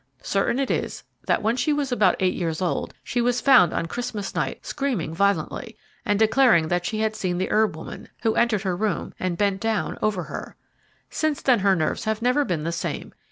Certain it is that, when she was about eight years old, she was found on Christmas night screaming violently, and declaring that she had seen the herb woman, who entered her room and bent down over her. Since then her nerves have never been the same.